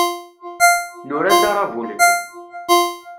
Nura-d aṛabul-nni.